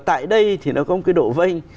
tại đây thì nó có một cái độ vây